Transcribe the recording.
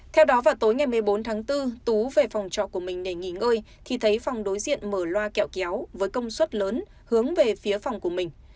theo đó vào tối ngày một mươi bốn tháng bốn tú về phòng trọ của mình để nghỉ ngơi thì thấy phòng đối diện mở loa kẹo kéo với công suất lớn hướng về phía phòng của mình